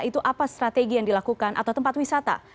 itu apa strategi yang dilakukan atau tempat wisata